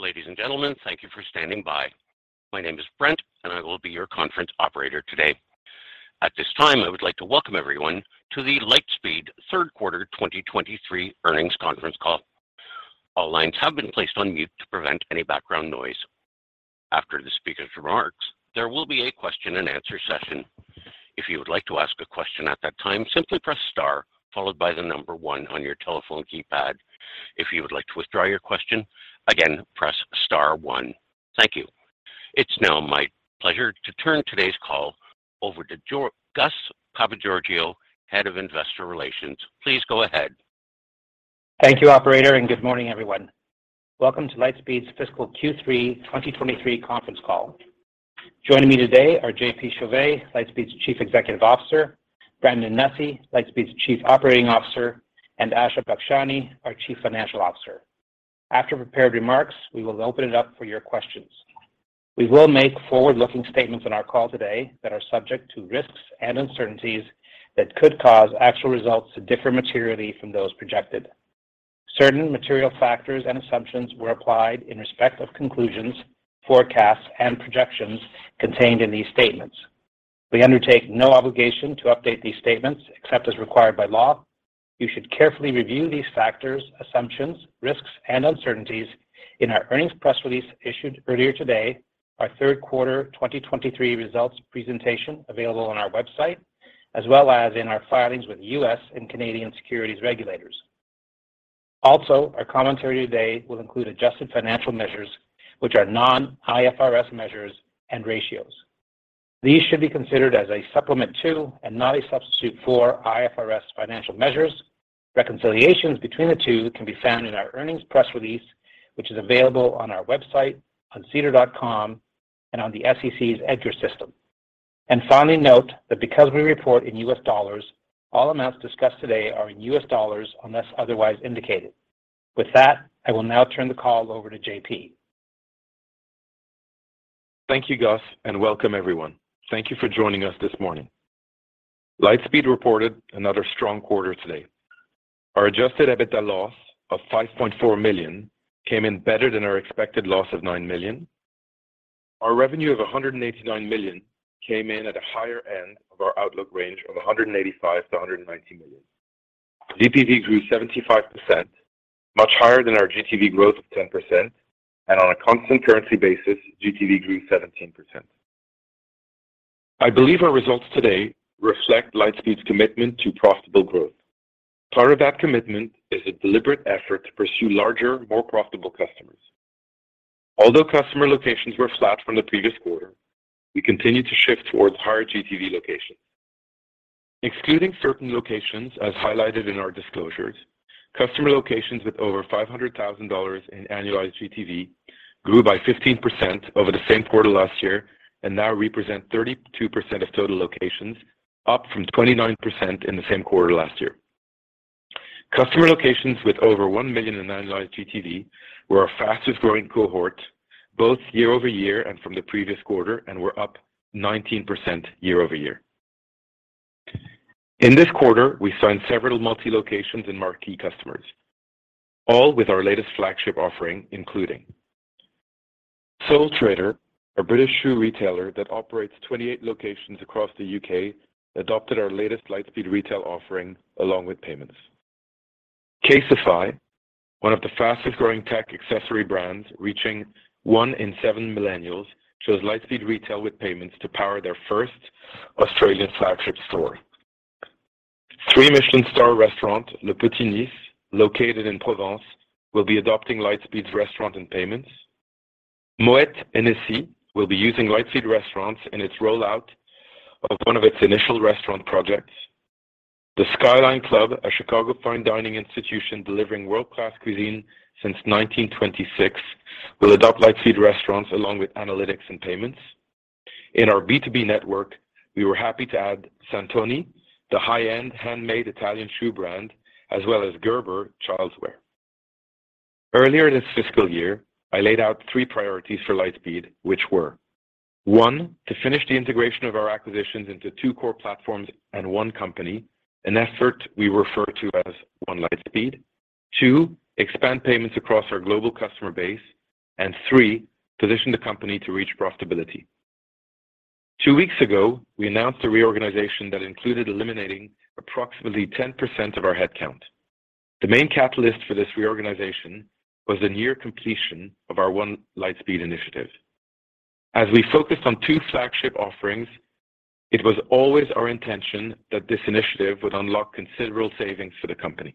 Ladies and gentlemen, thank you for standing by. My name is Brent, I will be your conference operator today. At this time, I would like to welcome everyone to the Lightspeed 3rd quarter 2023 earnings conference call. All lines have been placed on mute to prevent any background noise. After the speaker's remarks, there will be a question-and-answer session. If you would like to ask a question at that time, simply press star followed by 1 on your telephone keypad. If you would like to withdraw your question, again, press star 1. Thank you. It's now my pleasure to turn today's call over to Gus Papageorgiou, Head of Investor Relations. Please go ahead. Thank you, operator. Good morning, everyone. Welcome to Lightspeed's fiscal Q3 2023 conference call. Joining me today are JP Chauvet, Lightspeed's Chief Executive Officer, Brandon Nussey, Lightspeed's Chief Operating Officer, and Asha Bakshani, our Chief Financial Officer. After prepared remarks, we will open it up for your questions. We will make forward-looking statements on our call today that are subject to risks and uncertainties that could cause actual results to differ materially from those projected. Certain material factors and assumptions were applied in respect of conclusions, forecasts, and projections contained in these statements. We undertake no obligation to update these statements except as required by law. You should carefully review these factors, assumptions, risks, and uncertainties in our earnings press release issued earlier today, our third quarter 2023 results presentation available on our website, as well as in our filings with U.S. and Canadian securities regulators. Our commentary today will include adjusted financial measures, which are non-IFRS measures and ratios. These should be considered as a supplement to, and not a substitute for, IFRS financial measures. Reconciliations between the two can be found in our earnings press release, which is available on our website, on SEDAR, and on the SEC's EDGAR system. Finally, note that because we report in US dollars, all amounts discussed today are in US dollars unless otherwise indicated. With that, I will now turn the call over to JP. Thank you, Gus, and welcome everyone. Thank you for joining us this morning. Lightspeed reported another strong quarter today. Our adjusted EBITDA loss of $5.4 million came in better than our expected loss of $9 million. Our revenue of $189 million came in at the higher end of our outlook range of $185 million-$190 million. GPV grew 75%, much higher than our GTV growth of 10%, and on a constant currency basis, GTV grew 17%. I believe our results today reflect Lightspeed's commitment to profitable growth. Part of that commitment is a deliberate effort to pursue larger, more profitable customers. Although customer locations were flat from the previous quarter, we continued to shift towards higher GTV locations. Excluding certain locations as highlighted in our disclosures, customer locations with over $500,000 in annualized GTV grew by 15% over the same quarter last year and now represent 32% of total locations, up from 29% in the same quarter last year. Customer locations with over $1 million in annualized GTV were our fastest-growing cohort, both year-over-year and from the previous quarter, and were up 19% year-over-year. In this quarter, we signed several multi-locations and marquee customers, all with our latest flagship offering, including Sole Trader, a British shoe retailer that operates 28 locations across the UK, adopted our latest Lightspeed Retail offering along with payments. CASETiFY, one of the fastest-growing tech accessory brands reaching one in seven millennials, chose Lightspeed Retail with payments to power their first Australian flagship store. Three-Michelin-star restaurant Le Petit Nice, located in Provence, will be adopting Lightspeed's restaurant and payments. Moët Hennessy will be using Lightspeed Restaurants in its rollout of 1 of its initial restaurant projects. The Sky-Line Club, a Chicago fine dining institution delivering world-class cuisine since 1926, will adopt Lightspeed Restaurants along with analytics and payments. In our B2B network, we were happy to add Santoni, the high-end handmade Italian shoe brand, as well as Gerber Childrenswear. Earlier this fiscal year, I laid out 3 priorities for Lightspeed, which were, 1, to finish the integration of our acquisitions into 2 core platforms and 1 company, an effort we refer to as One Lightspeed. 2, expand payments across our global customer base. 3, position the company to reach profitability. 2 weeks ago, we announced a reorganization that included eliminating approximately 10% of our headcount. The main catalyst for this reorganization was the near completion of our One Lightspeed initiative. As we focused on two flagship offerings, it was always our intention that this initiative would unlock considerable savings for the company.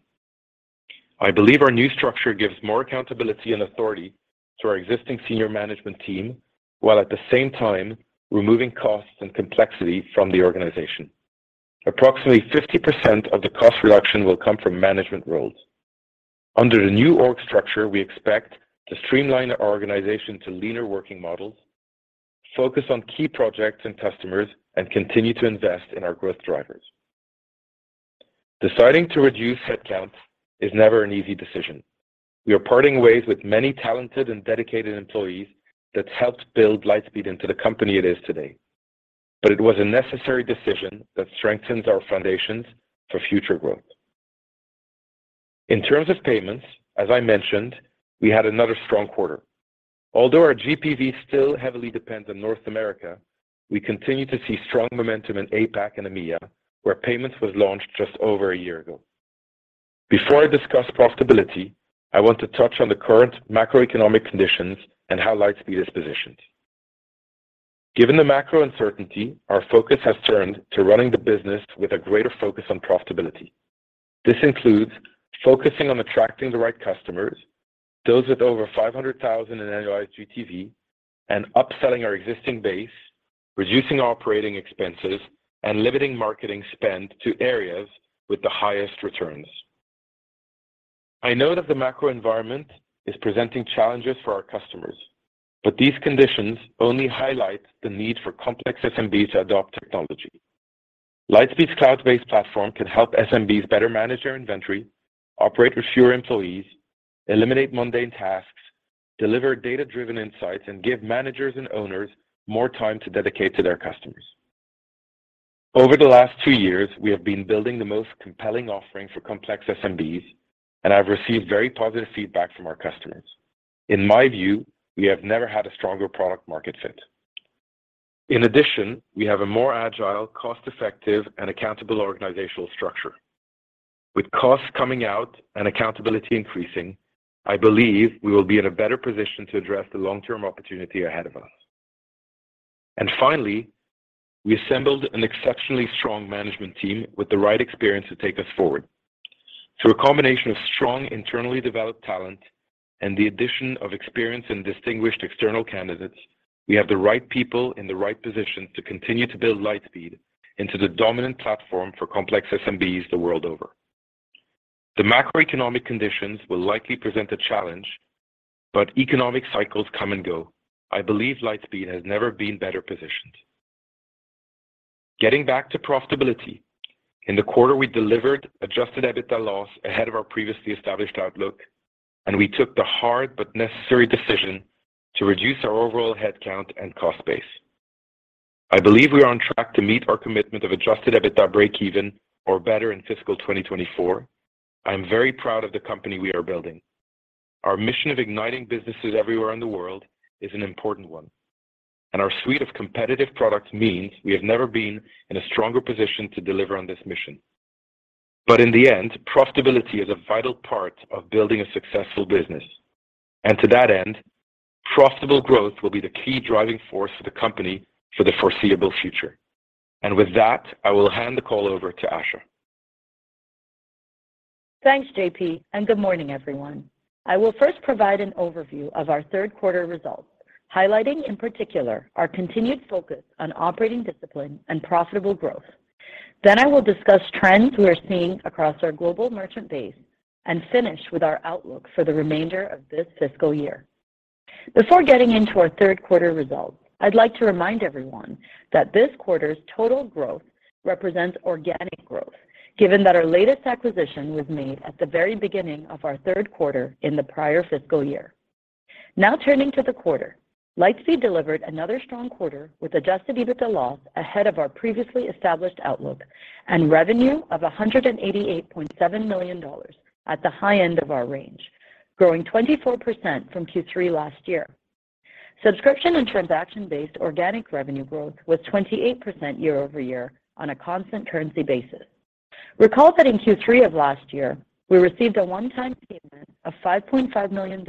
I believe our new structure gives more accountability and authority to our existing senior management team, while at the same time removing costs and complexity from the organization. Approximately 50% of the cost reduction will come from management roles. Under the new org structure, we expect to streamline our organization to leaner working models, focus on key projects and customers, and continue to invest in our growth drivers. Deciding to reduce headcount is never an easy decision. We are parting ways with many talented and dedicated employees that's helped build Lightspeed into the company it is today. It was a necessary decision that strengthens our foundations for future growth. In terms of payments, as I mentioned, we had another strong quarter. Although our GPV still heavily depends on North America, we continue to see strong momentum in APAC and EMEA, where payments was launched just over a year ago. Before I discuss profitability, I want to touch on the current macroeconomic conditions and how Lightspeed is positioned. Given the macro uncertainty, our focus has turned to running the business with a greater focus on profitability. This includes focusing on attracting the right customers, those with over $500,000 in annualized GTV, and upselling our existing base, reducing operating expenses, and limiting marketing spend to areas with the highest returns. I know that the macro environment is presenting challenges for our customers. These conditions only highlight the need for complex SMBs to adopt technology. Lightspeed's cloud-based platform can help SMBs better manage their inventory, operate with fewer employees, eliminate mundane tasks, deliver data-driven insights, and give managers and owners more time to dedicate to their customers. Over the last two years, we have been building the most compelling offering for complex SMBs, and I've received very positive feedback from our customers. In my view, we have never had a stronger product market fit. In addition, we have a more agile, cost-effective, and accountable organizational structure. With costs coming out and accountability increasing, I believe we will be in a better position to address the long-term opportunity ahead of us. Finally, we assembled an exceptionally strong management team with the right experience to take us forward. Through a combination of strong internally developed talent and the addition of experienced and distinguished external candidates, we have the right people in the right positions to continue to build Lightspeed into the dominant platform for complex SMBs the world over. The macroeconomic conditions will likely present a challenge. Economic cycles come and go. I believe Lightspeed has never been better positioned. Getting back to profitability, in the quarter we delivered adjusted EBITDA loss ahead of our previously established outlook. We took the hard but necessary decision to reduce our overall headcount and cost base. I believe we are on track to meet our commitment of adjusted EBITDA breakeven or better in fiscal 2024. I am very proud of the company we are building. Our mission of igniting businesses everywhere in the world is an important one, and our suite of competitive products means we have never been in a stronger position to deliver on this mission. In the end, profitability is a vital part of building a successful business, and to that end, profitable growth will be the key driving force for the company for the foreseeable future. With that, I will hand the call over to Asha. Thanks, JP. Good morning, everyone. I will first provide an overview of our third quarter results, highlighting in particular our continued focus on operating discipline and profitable growth. I will discuss trends we are seeing across our global merchant base and finish with our outlook for the remainder of this fiscal year. Before getting into our third quarter results, I'd like to remind everyone that this quarter's total growth represents organic growth, given that our latest acquisition was made at the very beginning of our third quarter in the prior fiscal year. Turning to the quarter, Lightspeed delivered another strong quarter with adjusted EBITDA loss ahead of our previously established outlook and revenue of $188.7 million at the high end of our range, growing 24% from Q3 last year. Subscription and transaction-based organic revenue growth was 28% year-over-year on a constant currency basis. Recall that in Q3 of last year, we received a one-time payment of $5.5 million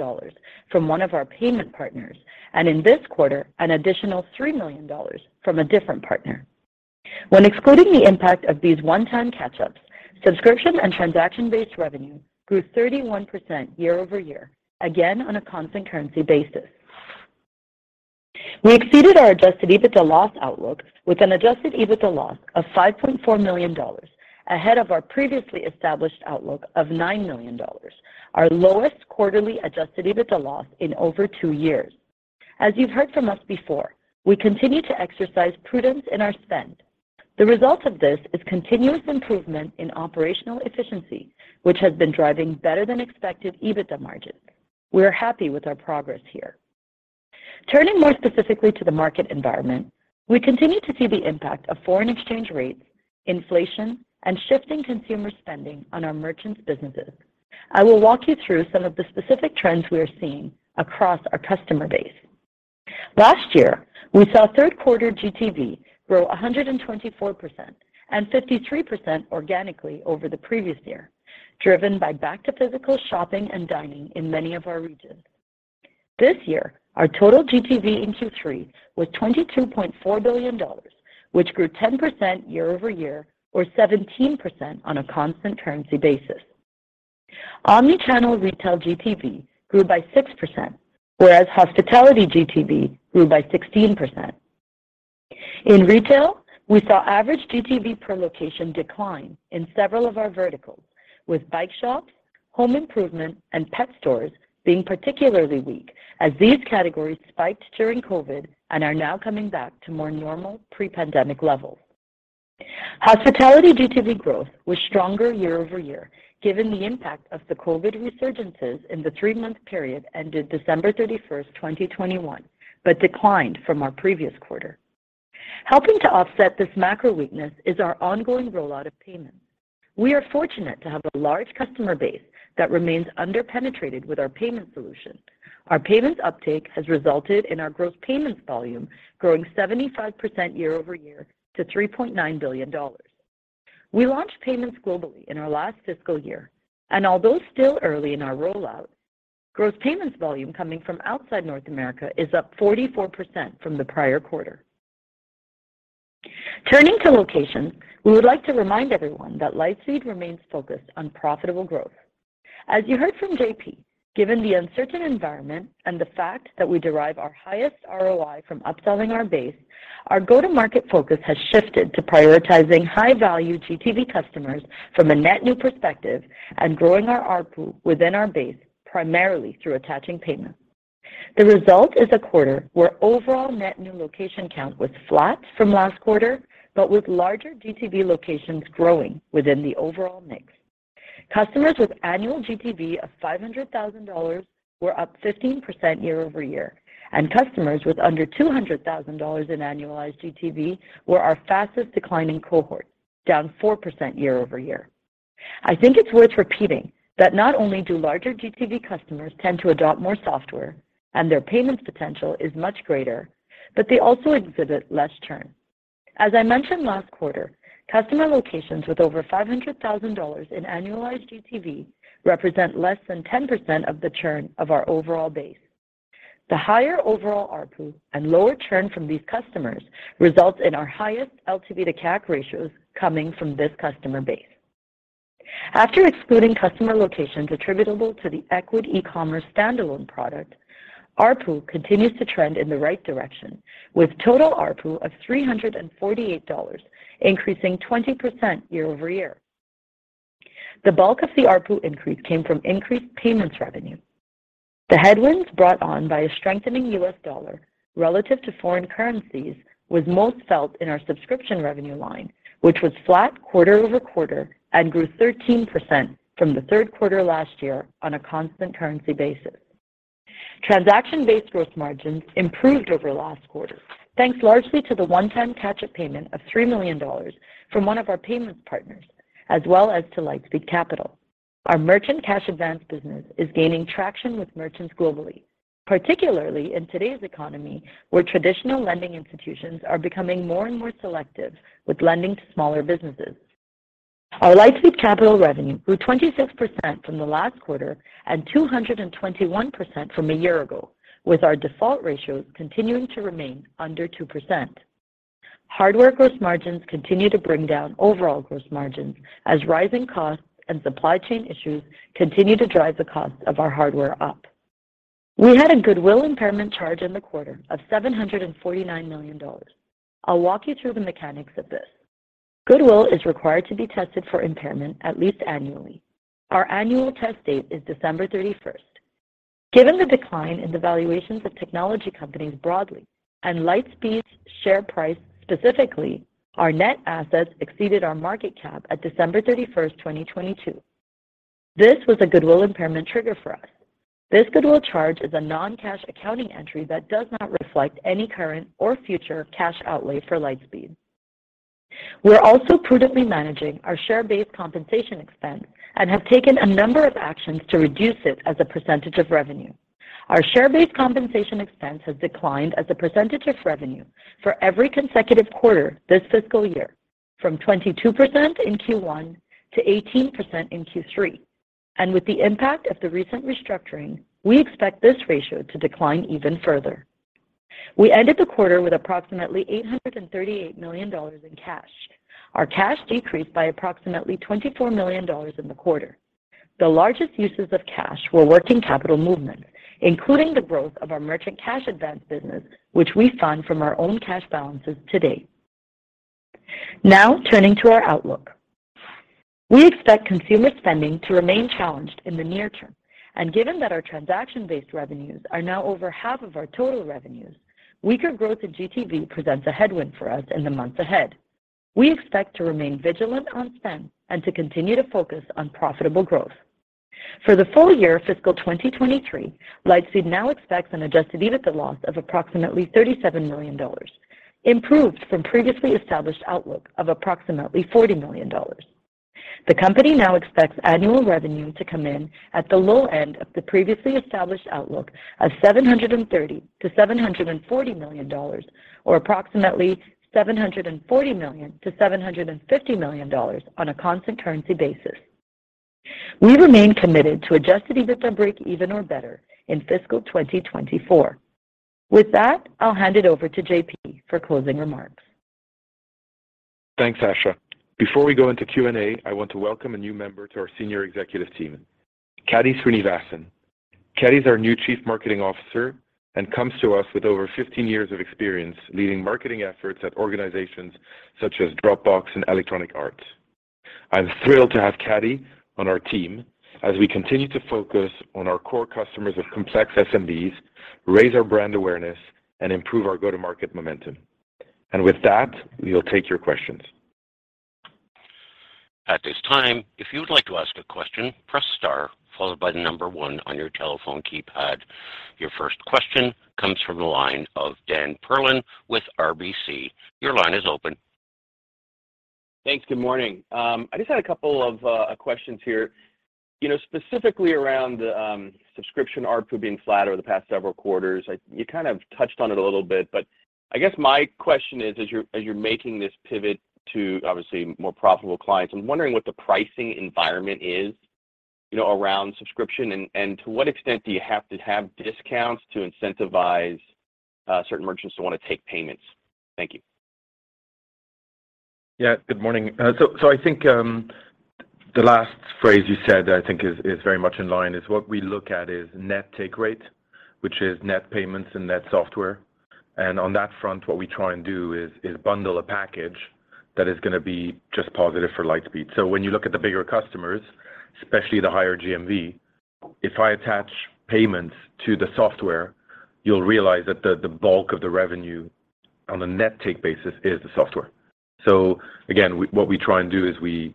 from one of our payment partners, and in this quarter, an additional $3 million from a different partner. When excluding the impact of these one-time catch-ups, subscription and transaction-based revenue grew 31% year-over-year, again on a constant currency basis. We exceeded our adjusted EBITDA loss outlook with an adjusted EBITDA loss of $5.4 million ahead of our previously established outlook of $9 million, our lowest quarterly adjusted EBITDA loss in over 2 years. As you've heard from us before, we continue to exercise prudence in our spend. The result of this is continuous improvement in operational efficiency, which has been driving better than expected EBITDA margins. We are happy with our progress here. Turning more specifically to the market environment, we continue to see the impact of foreign exchange rates, inflation, and shifting consumer spending on our merchants' businesses. I will walk you through some of the specific trends we are seeing across our customer base. Last year, we saw third quarter GTV grow 124% and 53% organically over the previous year, driven by back-to-physical shopping and dining in many of our regions. This year, our total GTV in Q3 was $22.4 billion, which grew 10% year-over-year or 17% on a constant currency basis. Omnichannel retail GTV grew by 6%, whereas hospitality GTV grew by 16%. In retail, we saw average GTV per location decline in several of our verticals, with bike shops, home improvement, and pet stores being particularly weak as these categories spiked during COVID and are now coming back to more normal pre-pandemic levels. Hospitality GTV growth was stronger year-over-year, given the impact of the COVID resurgences in the three-month period ended December 31, 2021, declined from our previous quarter. Helping to offset this macro weakness is our ongoing rollout of payments. We are fortunate to have a large customer base that remains under-penetrated with our payment solution. Our payments uptake has resulted in our gross payments volume growing 75% year-over-year to $3.9 billion. We launched payments globally in our last fiscal year, and although still early in our rollout, gross payments volume coming from outside North America is up 44% from the prior quarter. Turning to locations, we would like to remind everyone that Lightspeed remains focused on profitable growth. As you heard from JP, given the uncertain environment and the fact that we derive our highest ROI from upselling our base, our go-to-market focus has shifted to prioritizing high-value GTV customers from a net new perspective and growing our ARPU within our base, primarily through attaching payments. The result is a quarter where overall net new location count was flat from last quarter, but with larger GTV locations growing within the overall mix. Customers with annual GTV of $500,000 were up 15% year-over-year. Customers with under $200,000 in annualized GTV were our fastest declining cohort, down 4% year-over-year. I think it's worth repeating that not only do larger GTV customers tend to adopt more software and their payments potential is much greater, but they also exhibit less churn. As I mentioned last quarter, customer locations with over $500,000 in annualized GTV represent less than 10% of the churn of our overall base. The higher overall ARPU and lower churn from these customers results in our highest LTV to CAC ratios coming from this customer base. After excluding customer locations attributable to the Ecwid eCommerce standalone product, ARPU continues to trend in the right direction, with total ARPU of $348 increasing 20% year-over-year. The bulk of the ARPU increase came from increased payments revenue. The headwinds brought on by a strengthening US dollar relative to foreign currencies was most felt in our subscription revenue line, which was flat quarter-over-quarter and grew 13% from the third quarter last year on a constant currency basis. Transaction-based gross margins improved over last quarter, thanks largely to the one-time catch-up payment of $3 million from one of our payments partners, as well as to Lightspeed Capital. Our merchant cash advance business is gaining traction with merchants globally, particularly in today's economy, where traditional lending institutions are becoming more and more selective with lending to smaller businesses. Our Lightspeed Capital revenue grew 26% from the last quarter and 221% from a year ago, with our default ratios continuing to remain under 2%. Hardware gross margins continue to bring down overall gross margins as rising costs and supply chain issues continue to drive the cost of our hardware up. We had a goodwill impairment charge in the quarter of $749 million. I'll walk you through the mechanics of this. Goodwill is required to be tested for impairment at least annually. Our annual test date is December thirty-first. Given the decline in the valuations of technology companies broadly and Lightspeed's share price specifically, our net assets exceeded our market cap at December thirty-first, 2022. This was a goodwill impairment trigger for us. This goodwill charge is a non-cash accounting entry that does not reflect any current or future cash outlay for Lightspeed. We're also prudently managing our share-based compensation expense and have taken a number of actions to reduce it as a percentage of revenue. Our share-based compensation expense has declined as a percentage of revenue for every consecutive quarter this fiscal year, from 22% in Q1 to 18% in Q3. With the impact of the recent restructuring, we expect this ratio to decline even further. We ended the quarter with approximately $838 million in cash. Our cash decreased by approximately $24 million in the quarter. The largest uses of cash were working capital movement, including the growth of our merchant cash advance business, which we fund from our own cash balances to date. Now turning to our outlook. We expect consumer spending to remain challenged in the near term. Given that our transaction-based revenues are now over half of our total revenues, weaker growth in GTV presents a headwind for us in the months ahead. We expect to remain vigilant on spend and to continue to focus on profitable growth. For the full year fiscal 2023, Lightspeed now expects an adjusted EBITDA loss of approximately $37 million, improved from previously established outlook of approximately $40 million. The company now expects annual revenue to come in at the low end of the previously established outlook of $730 million-$740 million or approximately $740 million-$750 million on a constant currency basis. We remain committed to adjusted EBITDA break-even or better in fiscal 2024. With that, I'll hand it over to JP for closing remarks. Thanks, Asha. Before we go into Q&A, I want to welcome a new member to our senior executive team, Kady Srinivasan. Kady is our new Chief Marketing Officer and comes to us with over 15 years of experience leading marketing efforts at organizations such as Dropbox and Electronic Arts. I'm thrilled to have Kady on our team as we continue to focus on our core customers of complex SMBs, raise our brand awareness, and improve our go-to-market momentum. With that, we'll take your questions. At this time, if you would like to ask a question, press star followed by the number one on your telephone keypad. Your first question comes from the line of Daniel Perlin with RBC. Your line is open. Thanks. Good morning. I just had a couple of questions here, you know, specifically around the subscription ARPU being flat over the past several quarters. Like, you kind of touched on it a little bit, but I guess my question is, as you're making this pivot to obviously more profitable clients, I'm wondering what the pricing environment is, you know, around subscription and to what extent do you have to have discounts to incentivize certain merchants to want to take payments? Thank you. Good morning. I think the last phrase you said that I think is very much in line is what we look at is net take rate, which is net payments and net software. On that front, what we try and do is bundle a package that is gonna be just positive for Lightspeed. When you look at the bigger customers, especially the higher GMV, if I attach payments to the software, you'll realize that the bulk of the revenue on a net take basis is the software. Again, what we try and do is we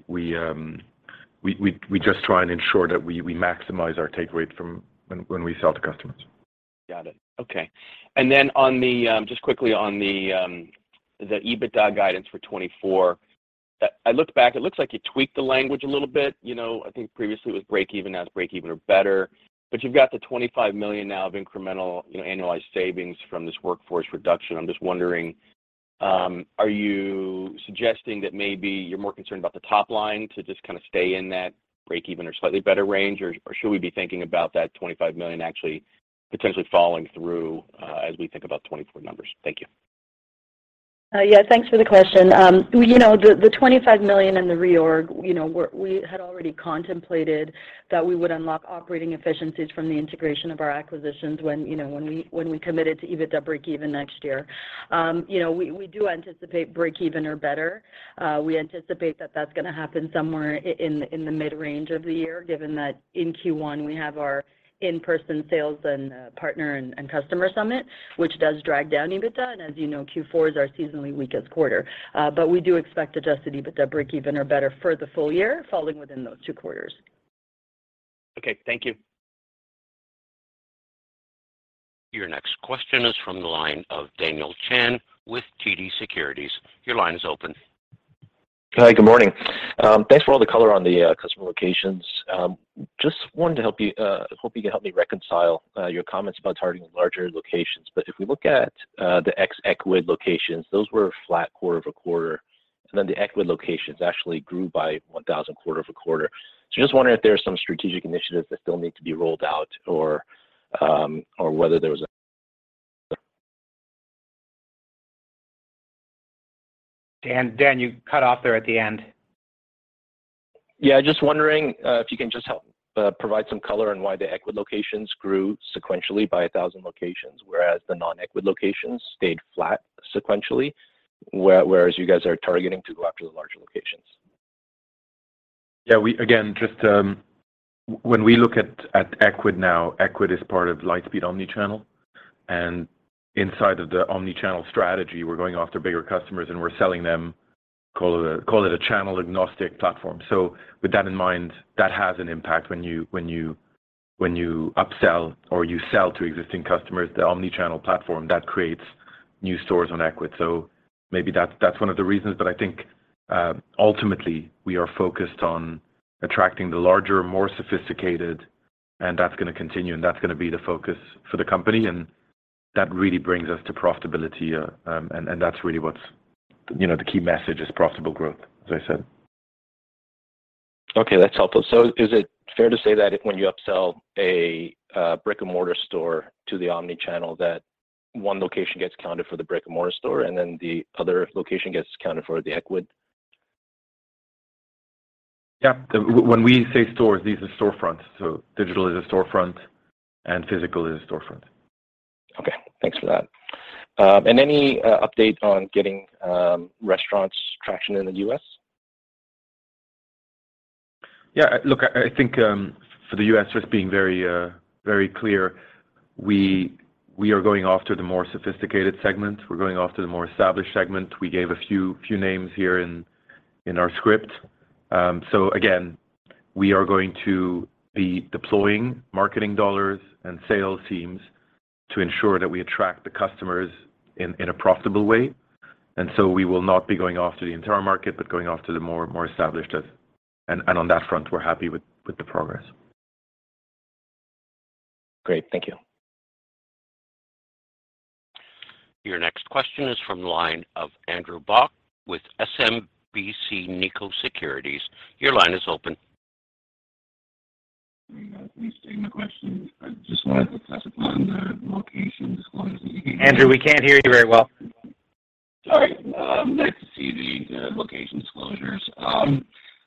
just try and ensure that we maximize our take rate from when we sell to customers. Got it. Okay. Then on the just quickly on the EBITDA guidance for 2024, I looked back, it looks like you tweaked the language a little bit. You know, I think previously it was breakeven, now it's breakeven or better, but you've got the $25 million now of incremental, you know, annualized savings from this workforce reduction. I'm just wondering, are you suggesting that maybe you're more concerned about the top line to just kind of stay in that breakeven or slightly better range, or should we be thinking about that $25 million actually potentially falling through as we think about 2024 numbers? Thank you. Yeah, thanks for the question. You know, the $25 million in the reorg, you know, we had already contemplated that we would unlock operating efficiencies from the integration of our acquisitions when, you know, when we, when we committed to EBITDA breakeven next year. You know, we do anticipate breakeven or better. We anticipate that that's gonna happen somewhere in the mid-range of the year, given that in Q1 we have our in-person sales and partner and customer summit, which does drag down EBITDA. As you know, Q4 is our seasonally weakest quarter. We do expect adjusted EBITDA breakeven or better for the full year falling within those 2 quarters. Okay. Thank you. Your next question is from the line of Daniel Chen with TD Securities. Your line is open. Hi, good morning. Thanks for all the color on the customer locations. Just wanted to hope you can help me reconcile your comments about targeting larger locations. If we look at the ex-Ecwid locations, those were flat quarter-over-quarter, and then the Ecwid locations actually grew by 1,000 quarter-over-quarter. Just wondering if there are some strategic initiatives that still need to be rolled out or whether there was. Dan, you cut off there at the end. Yeah, just wondering, if you can just help provide some color on why the Ecwid locations grew sequentially by 1,000 locations, whereas the non-Ecwid locations stayed flat sequentially, whereas you guys are targeting to go after the larger locations? Again, just, when we look at Ecwid now, Ecwid is part of Lightspeed Omnichannel. Inside of the omnichannel strategy, we're going after bigger customers, and we're selling them, call it a channel agnostic platform. With that in mind, that has an impact when you upsell or you sell to existing customers the omnichannel platform, that creates new stores on Ecwid. Maybe that's one of the reasons. I think, ultimately we are focused on attracting the larger, more sophisticated, and that's gonna continue, and that's gonna be the focus for the company. That really brings us to profitability. That's really what's, you know, the key message is profitable growth, as I said. Okay. That's helpful. Is it fair to say that if when you upsell a brick-and-mortar store to the Omnichannel, that one location gets counted for the brick-and-mortar store, and then the other location gets counted for the Ecwid? Yeah. When we say stores, these are storefronts, so digital is a storefront and physical is a storefront. Okay. Thanks for that. Any update on getting Restaurants traction in the U.S.? Yeah, look, I think for the U.S., just being very clear, we are going after the more sophisticated segment. We're going after the more established segment. We gave a few names here in our script. Again, we are going to be deploying marketing dollars and sales teams to ensure that we attract the customers in a profitable way. We will not be going after the entire market, but going after the more established as... On that front, we're happy with the progress. Great. Thank you. Your next question is from the line of Andrew Bauch with SMBC Nikko Securities. Your line is open. Please take my question. I just wanted to touch upon the location disclosures. Andrew, we can't hear you very well. Sorry. Nice to see the location disclosures.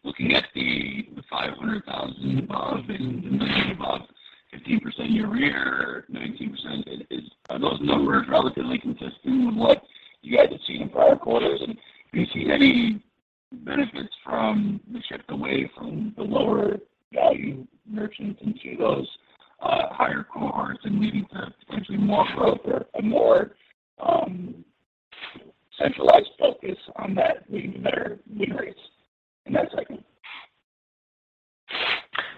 Looking at the 500,000 above and the number above 15% year-over-year, 19%, are those numbers relatively consistent with what you guys have seen in prior quarters? Do you see any benefits from the shift away from the lower value merchants into those higher cohorts and leading to potentially more growth or more? Centralized focus on that we better win rates in that segment.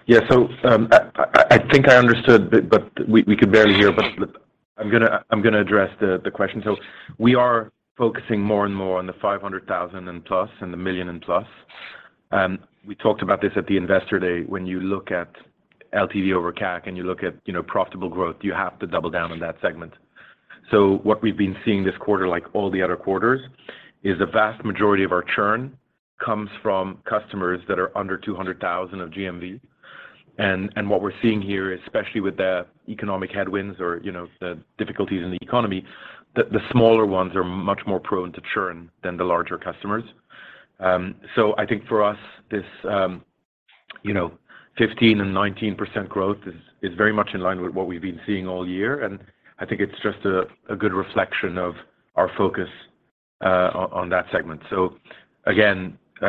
Yeah. I think I understood, but we could barely hear. But I'm gonna address the question. We are focusing more and more on the $500,000+ and the $1 million+. We talked about this at the Investor Day. When you look at LTV over CAC, and you look at, you know, profitable growth, you have to double down on that segment. What we've been seeing this quarter, like all the other quarters, is the vast majority of our churn comes from customers that are under $200,000 of GMV. What we're seeing here, especially with the economic headwinds or, you know, the difficulties in the economy, the smaller ones are much more prone to churn than the larger customers. I think for us, this, you know, 15% and 19% growth is very much in line with what we've been seeing all year, and I think it's just a good reflection of our focus on that segment.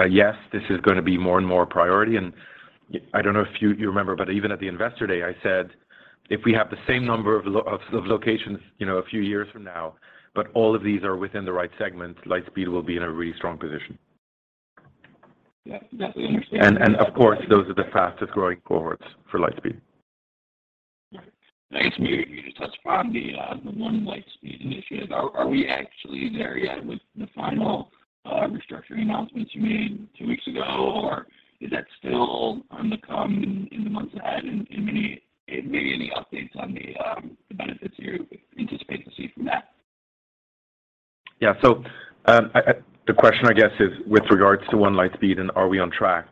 Yes, this is gonna be more and more a priority. I don't know if you remember, but even at the investor day, I said if we have the same number of locations, you know, a few years from now, but all of these are within the right segment, Lightspeed will be in a really strong position. Yeah, definitely understand- Of course, those are the fastest-growing cohorts for Lightspeed. Right. I guess maybe if you could touch upon the One Lightspeed initiative. Are we actually there yet with the final restructuring announcements you made two weeks ago, or is that still on the come in the months ahead? Maybe any updates on the benefits you anticipate to see from that? Yeah. The question I guess is with regards to One Lightspeed and are we on track?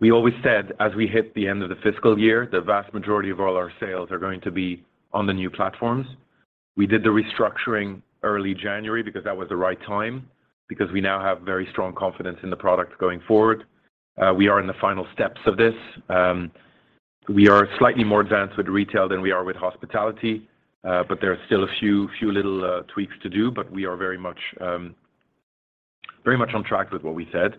We always said as we hit the end of the fiscal year, the vast majority of all our sales are going to be on the new platforms. We did the restructuring early January because that was the right time, because we now have very strong confidence in the products going forward. We are in the final steps of this. We are slightly more advanced with retail than we are with hospitality, but there are still a few little tweaks to do, but we are very much very much on track with what we said.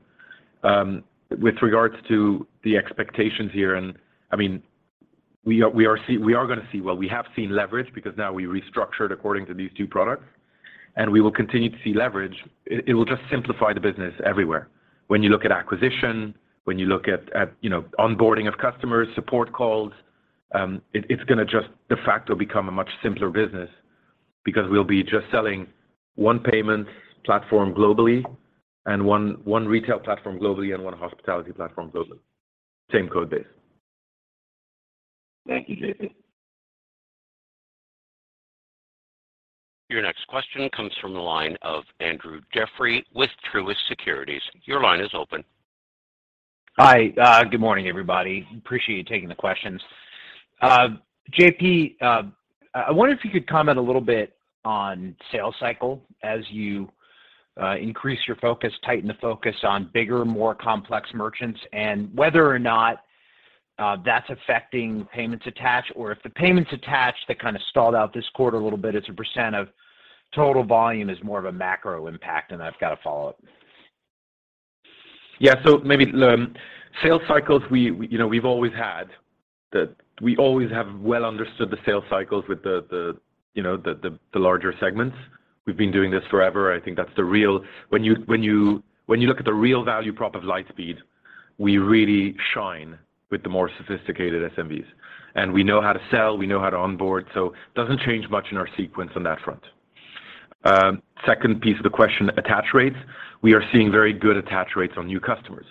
With regards to the expectations here, I mean, we are gonna see... We have seen leverage because now we restructured according to these two products, and we will continue to see leverage. It will just simplify the business everywhere. When you look at acquisition, when you look at, you know, onboarding of customers, support calls, it's gonna just de facto become a much simpler business because we'll be just selling one payment platform globally and one retail platform globally and one hospitality platform globally. Same code base. Thank you, JP. Your next question comes from the line of Andrew Jeffery with Truist Securities. Your line is open. Hi. Good morning, everybody. Appreciate you taking the questions. J.P., I wonder if you could comment a little bit on sales cycle as you increase your focus, tighten the focus on bigger, more complex merchants, and whether or not that's affecting payments attach. Or if the payments attach that kind of stalled out this quarter a little bit as a % of total volume is more of a macro impact. I've got a follow-up. Yeah. So maybe, sales cycles, we, you know, we always have well understood the sales cycles with the, you know, the larger segments. We've been doing this forever. I think that's the real... When you look at the real value prop of Lightspeed, we really shine with the more sophisticated SMBs. We know how to sell, we know how to onboard, so it doesn't change much in our sequence on that front. Second piece of the question, attach rates. We are seeing very good attach rates on new customers.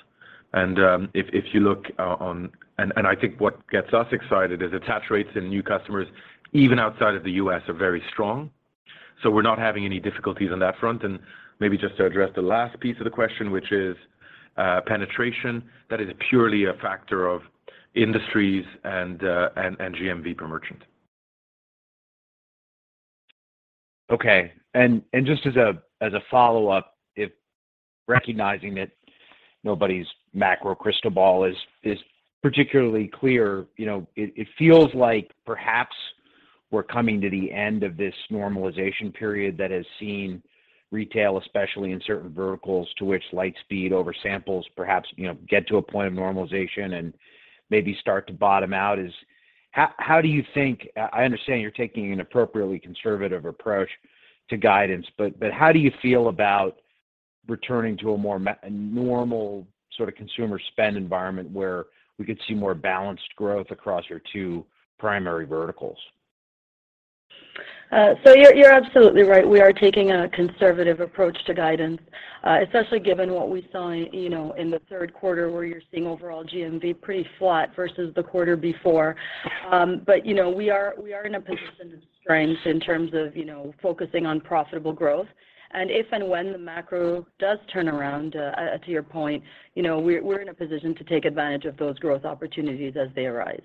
If you look. I think what gets us excited is attach rates in new customers, even outside of the US, are very strong, so we're not having any difficulties on that front. Maybe just to address the last piece of the question, which is, penetration, that is purely a factor of industries and GMV per merchant. Just as a, as a follow-up, if recognizing that nobody's macro crystal ball is particularly clear, you know, it feels like perhaps we're coming to the end of this normalization period that has seen retail, especially in certain verticals to which Lightspeed over samples, perhaps, you know, get to a point of normalization and maybe start to bottom out. How do you think? I understand you're taking an appropriately conservative approach to guidance, but how do you feel about returning to a normal sort of consumer spend environment where we could see more balanced growth across your two primary verticals? You're absolutely right. We are taking a conservative approach to guidance, especially given what we saw in, you know, in the third quarter, where you're seeing overall GMV pretty flat versus the quarter before. You know, we are in a position of strength in terms of, you know, focusing on profitable growth. If and when the macro does turn around, to your point, you know, we're in a position to take advantage of those growth opportunities as they arise.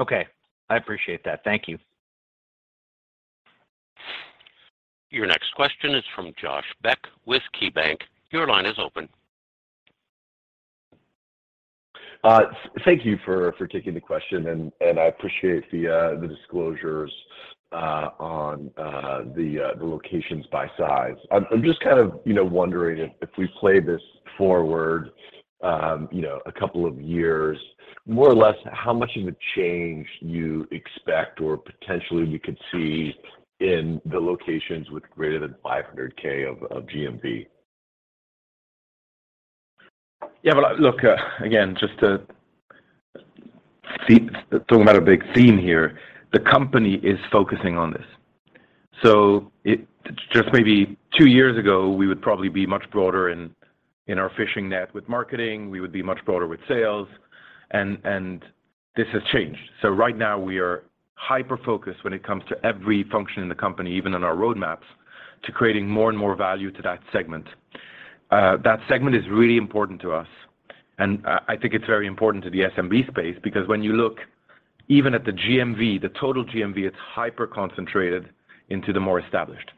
Okay. I appreciate that. Thank you. Your next question is from Josh Beck with KeyBank. Your line is open. Thank you for taking the question. I appreciate the disclosures on the locations by size. I'm just kind of, you know, wondering if we play this forward, you know, a couple of years more or less, how much of a change you expect or potentially we could see in the locations with greater than $500K of GMV? But look, again, talking about a big theme here, the company is focusing on this. Just maybe two years ago, we would probably be much broader in our fishing net with marketing, we would be much broader with sales, and this has changed. Right now we are hyper-focused when it comes to every function in the company, even on our roadmaps, to creating more and more value to that segment. That segment is really important to us, and I think it's very important to the SMB space because when you look even at the GMV, the total GMV, it's hyper-concentrated into the more established.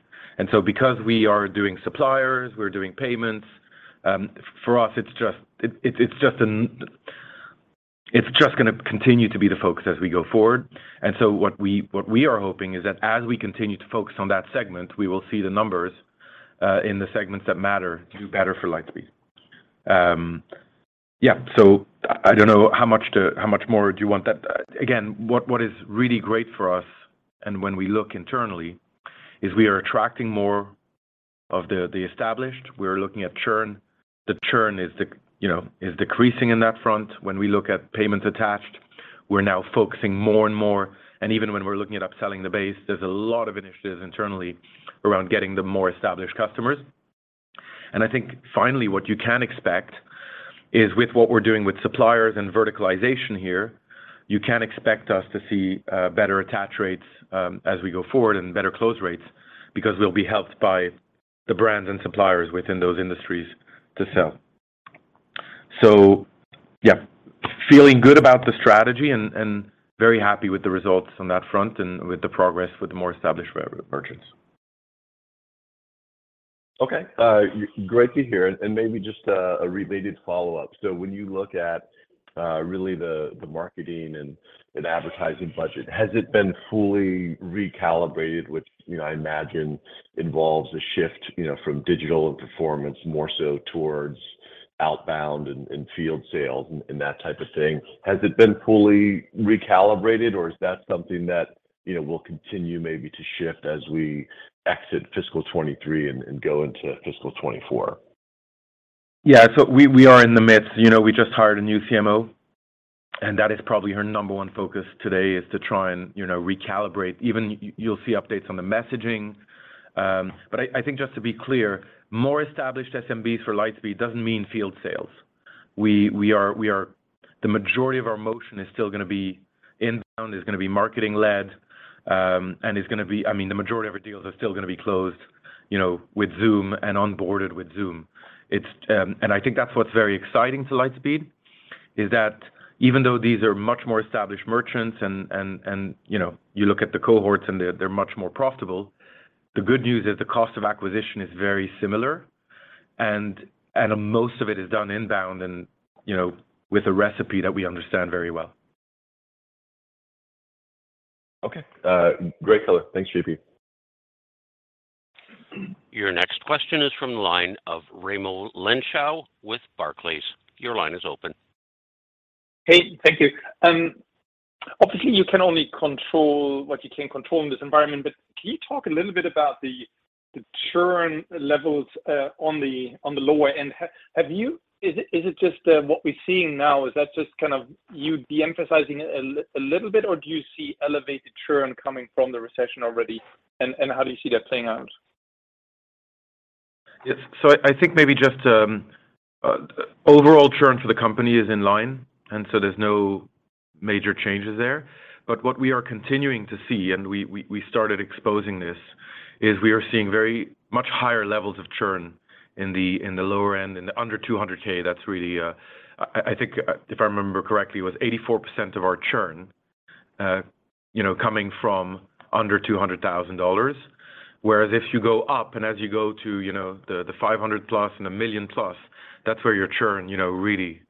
Because we are doing suppliers, we're doing payments, for us, it's just gonna continue to be the focus as we go forward. What we are hoping is that as we continue to focus on that segment, we will see the numbers in the segments that matter do better for Lightspeed. Yeah. I don't know how much more do you want that? Again, what is really great for us, and when we look internally, is we are attracting more of the established. We're looking at churn. The churn is you know, is decreasing in that front. When we look at payments attached, we're now focusing more and more. Even when we're looking at upselling the base, there's a lot of initiatives internally around getting the more established customers. I think finally, what you can expect is with what we're doing with suppliers and verticalization here, you can expect us to see better attach rates as we go forward and better close rates because we'll be helped by the brands and suppliers within those industries to sell. Yeah, feeling good about the strategy and very happy with the results on that front and with the progress with the more established merchants. Okay. great to hear, and maybe just a related follow-up. when you look at, really the marketing and advertising budget, has it been fully recalibrated, which, you know, I imagine involves a shift, you know, from digital and performance more so towards outbound and field sales and that type of thing. Has it been fully recalibrated, or is that something that, you know, will continue maybe to shift as we exit fiscal 2023 and go into fiscal 2024? Yeah. We are in the midst. You know, we just hired a new CMO, and that is probably her number 1 focus today is to try and, you know, recalibrate. Even you'll see updates on the messaging. I think just to be clear, more established SMB for Lightspeed doesn't mean field sales. We are. The majority of our motion is still gonna be inbound, is gonna be marketing-led, and it's gonna be. I mean, the majority of our deals are still gonna be closed, you know, with Zoom and onboarded with Zoom. It's. I think that's what's very exciting to Lightspeed, is that even though these are much more established merchants and, you know, you look at the cohorts and they're much more profitable, the good news is the cost of acquisition is very similar, and most of it is done inbound and, you know, with a recipe that we understand very well. Okay. great color. Thanks, JP. Your next question is from the line of Raimo Lenschow with Barclays. Your line is open. Hey, thank you. Obviously, you can only control what you can control in this environment. Can you talk a little bit about the churn levels on the lower end? Is it just what we're seeing now? Is that just kind of you de-emphasizing it a little bit, or do you see elevated churn coming from the recession already, and how do you see that playing out? I think maybe just overall churn for the company is in line, and so there's no major changes there. What we are continuing to see, and we started exposing this, is we are seeing very much higher levels of churn in the lower end, in the under $200K. That's really, I think, if I remember correctly, it was 84% of our churn, you know, coming from under $200,000. If you go up and as you go to, you know, the $500,000+ and $1 million+, that's where your churn, you know, really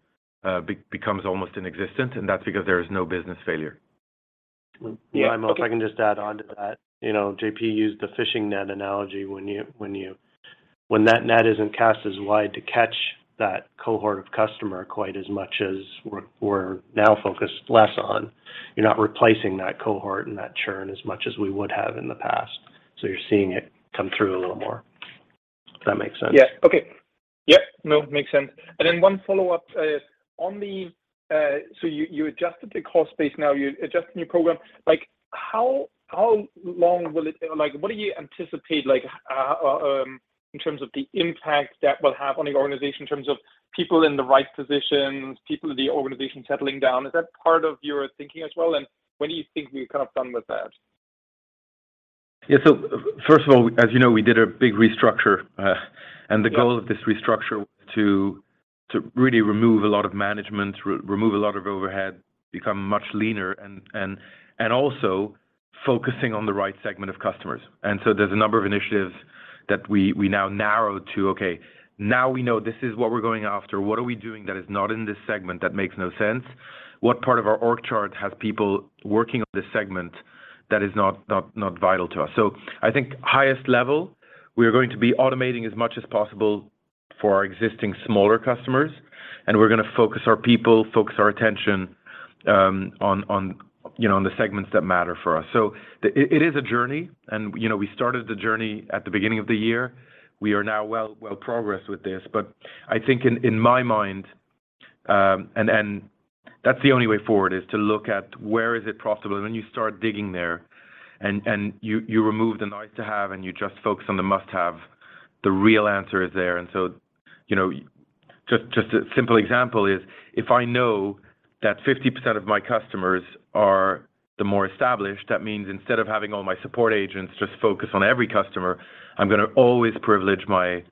becomes almost inexistent, and that's because there is no business failure. Yeah. Raimo, if I can just add on to that. You know, JP used the fishing net analogy. When that net isn't cast as wide to catch that cohort of customer quite as much as we're now focused less on, you're not replacing that cohort and that churn as much as we would have in the past. You're seeing it come through a little more. If that makes sense. Yeah. Okay. Yeah. No, it makes sense. One follow-up is on the, you adjusted the cost base. Now you're adjusting your program. How long will it? What do you anticipate, like, in terms of the impact that will have on the organization in terms of people in the right positions, people in the organization settling down? Is that part of your thinking as well? When do you think we're kind of done with that? Yeah. First of all, as you know, we did a big restructure, the goal of this restructure was to really remove a lot of management, remove a lot of overhead, become much leaner and also focusing on the right segment of customers. There's a number of initiatives that we now narrow to, okay, now we know this is what we're going after. What are we doing that is not in this segment that makes no sense? What part of our org chart has people working on this segment that is not vital to us? I think highest level, we are going to be automating as much as possible for our existing smaller customers, we're gonna focus our people, focus our attention, on, you know, on the segments that matter for us. It is a journey and, you know, we started the journey at the beginning of the year. We are now well progressed with this. I think in my mind, and that's the only way forward, is to look at where is it profitable. When you start digging there and you remove the nice to have, and you just focus on the must-have, the real answer is there. You know, just a simple example is if I know that 50% of my customers are the more established, that means instead of having all my support agents just focus on every customer, I'm gonna always privilege my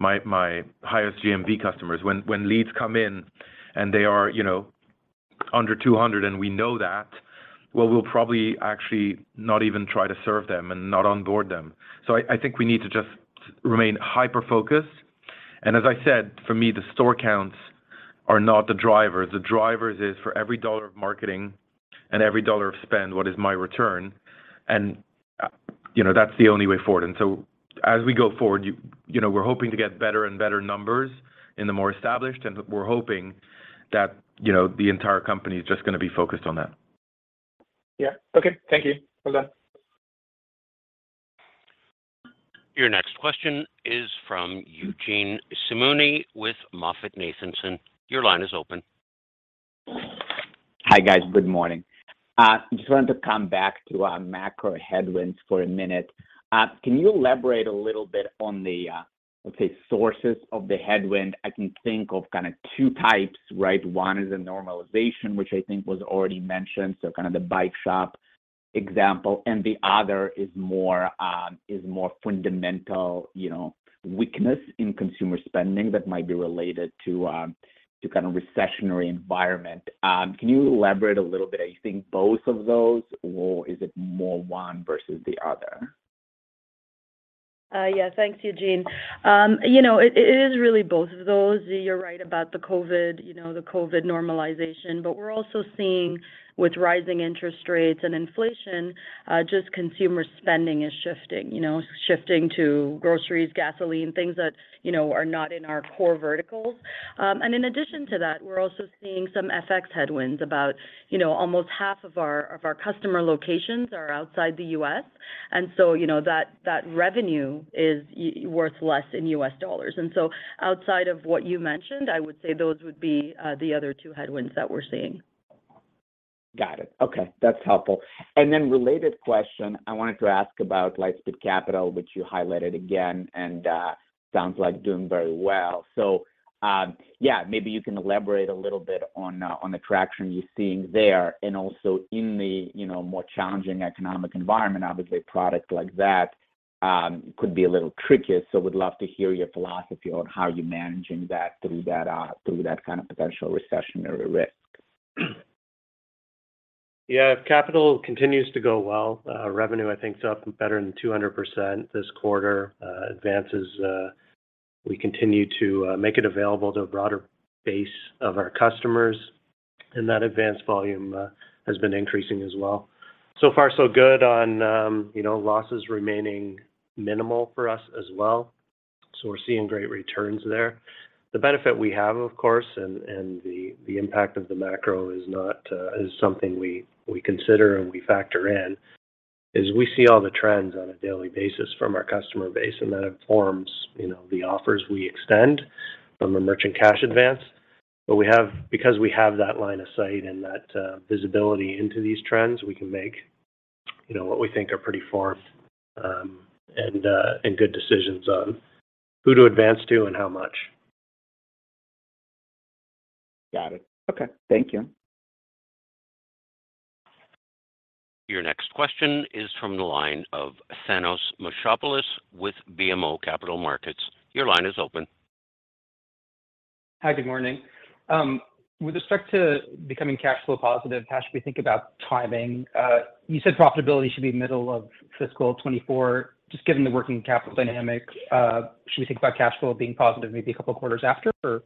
highest GMV customers. When leads come in and they are, you know, under $200 and we know that, well, we'll probably actually not even try to serve them and not onboard them. I think we need to just remain hyper-focused. As I said, for me, the store counts are not the drivers. The drivers is for every $1 of marketing and every $1 of spend, what is my return? You know, that's the only way forward. As we go forward, you know, we're hoping to get better and better numbers in the more established, and we're hoping that, you know, the entire company is just gonna be focused on that. Yeah. Okay. Thank you. Well done. Your next question is from Eugene Simuni with MoffettNathanson. Your line is open. Hi, guys. Good morning. Just wanted to come back to macro headwinds for a minute. Can you elaborate a little bit on the, let's say, sources of the headwind? I can think of kinda two types, right? One is the normalization, which I think was already mentioned, so kinda the bike shop example. The other is more, is more fundamental, you know, weakness in consumer spending that might be related to kind of recessionary environment. Can you elaborate a little bit? Are you seeing both of those, or is it more one versus the other? Yeah. Thanks, Eugene. You know, it is really both of those. You're right about the COVID, you know, the COVID normalization. We're also seeing with rising interest rates and inflation, just consumer spending is shifting. You know, shifting to groceries, gasoline, things that, you know, are not in our core verticals. In addition to that, we're also seeing some FX headwinds about, you know, almost half of our customer locations are outside the U.S., and so, you know, that revenue is worth less in U.S. dollars. Outside of what you mentioned, I would say those would be the other two headwinds that we're seeing. Got it. Okay. That's helpful. Then related question, I wanted to ask about Lightspeed Capital, which you highlighted again, and sounds like doing very well. Yeah, maybe you can elaborate a little bit on the traction you're seeing there and also in the, you know, more challenging economic environment. Obviously, a product like that could be a little trickier, so would love to hear your philosophy on how you're managing that through that kind of potential recessionary risk. Yeah. Capital continues to go well. Revenue I think is up better than 200% this quarter. Advances, we continue to make it available to a broader base of our customers, and that advance volume has been increasing as well. So far so good on, you know, losses remaining minimal for us as well. We're seeing great returns there. The benefit we have, of course, and the impact of the macro is not something we consider and we factor in, is we see all the trends on a daily basis from our customer base, and that informs, you know, the offers we extend from the merchant cash advance. because we have that line of sight and that visibility into these trends, we can make, you know, what we think are pretty informed, and good decisions on who to advance to and how much. Got it. Okay. Thank you. Your next question is from the line of Thanos Moschopoulos with BMO Capital Markets. Your line is open. Hi. Good morning. With respect to becoming cash flow positive, how should we think about timing? You said profitability should be middle of fiscal 2024. Just given the working capital dynamics, should we think about cash flow being positive maybe a couple quarters after? Or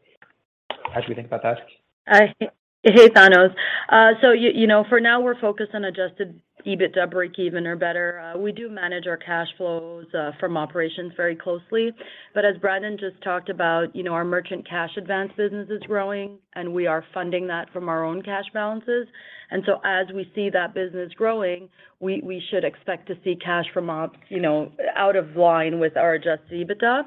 how should we think about that? Hey, Thanos. You know, for now we're focused on adjusted EBITDA breakeven or better. We do manage our cash flows from operations very closely. As Brandon just talked about, you know, our merchant cash advance business is growing, and we are funding that from our own cash balances. As we see that business growing, we should expect to see cash from ops, you know, out of line with our adjusted EBITDA.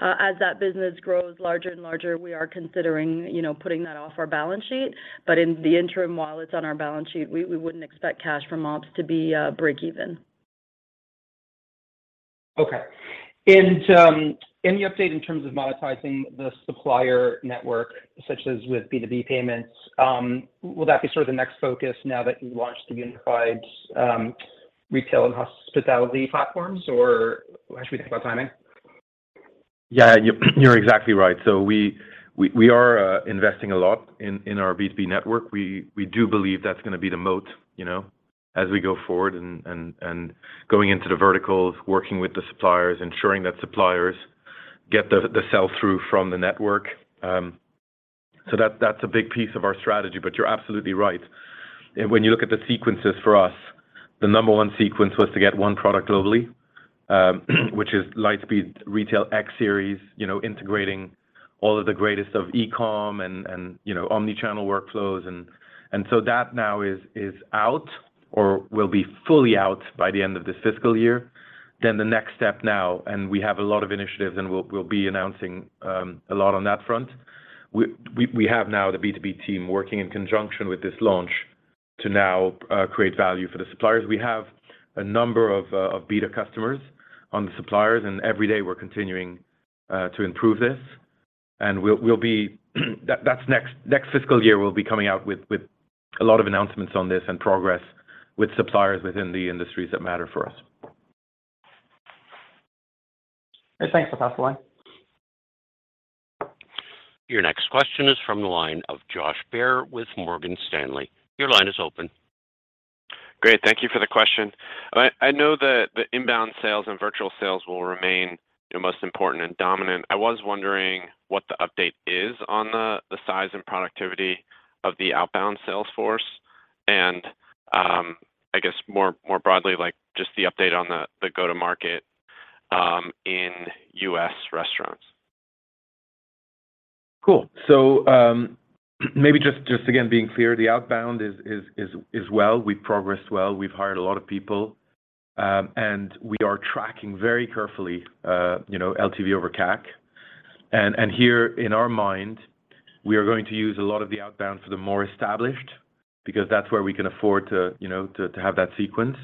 As that business grows larger and larger, we are considering, you know, putting that off our balance sheet. In the interim, while it's on our balance sheet, we wouldn't expect cash from ops to be breakeven. Okay. Any update in terms of monetizing the supplier network, such as with B2B payments? Will that be sort of the next focus now that you've launched the unified retail and hospitality platforms? How should we think about timing? Yeah, you're exactly right. We are investing a lot in our B2B network. We, we do believe that's gonna be the moat, you know, as we go forward and going into the verticals, working with the suppliers, ensuring that suppliers get the sell-through from the network. That's a big piece of our strategy, but you're absolutely right. When you look at the sequences for us, the number one sequence was to get one product globally, which is Lightspeed Retail (X-Series), you know, integrating all of the greatest of eCom and, you know, omnichannel workflows. So that now is out or will be fully out by the end of this fiscal year. The next step now, we have a lot of initiatives, we'll be announcing a lot on that front. We have now the B2B team working in conjunction with this launch to now create value for the suppliers. We have a number of beta customers on the suppliers, every day we're continuing to improve this. That's next fiscal year, we'll be coming out with a lot of announcements on this and progress with suppliers within the industries that matter for us. Thanks for passing the line. Your next question is from the line of Josh Beck with Morgan Stanley. Your line is open. Great. Thank you for the question. I know that the inbound sales and virtual sales will remain your most important and dominant. I was wondering what the update is on the size and productivity of the outbound sales force, and I guess more broadly, like just the update on the go-to-market in US restaurants. Cool. maybe just again being clear, the outbound is well, we've progressed well. We've hired a lot of people, we are tracking very carefully, you know, LTV over CAC. here in our mind, we are going to use a lot of the outbound for the more established because that's where we can afford to, you know, to have that sequence.